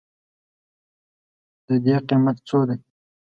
د دې قیمت څو دی؟